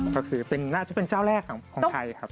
ก็คือน่าจะเป็นเจ้าแรกของไทยครับ